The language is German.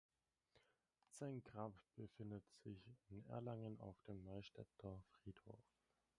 Sein Grab befindet sich in Erlangen auf dem Neustädter Friedhof.